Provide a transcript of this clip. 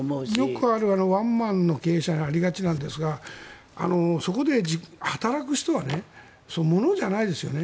よくあるワンマンの経営者にありがちなんですがそこで働く人は物じゃないですよね。